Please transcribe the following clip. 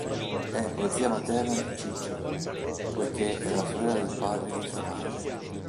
È prozia materna di Ciccio, poiché è la sorella del padre di sua madre.